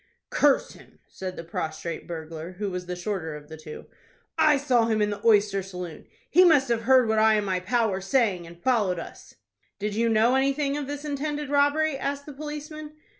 "Curse him!" said the prostrate burglar, who was the shorter of the two."I saw him in the oyster saloon. He must have heard what I and my pal were saying, and followed us." "Did you know anything of this intended robbery?" asked the policeman.